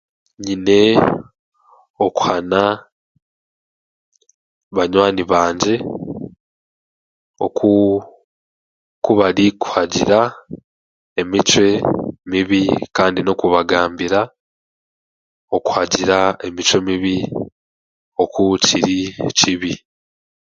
Nyine okuhana banywani bangye okuuu, kubarikuhagira emicwe mibi kandi n'okubagambira okuhagira emicwe mibi okukiri kibi.